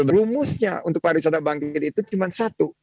rumusnya untuk para wisata bangkit itu cuma satu